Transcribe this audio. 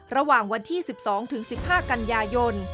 ระหว่างวันที่๑๒๑๕กันยายน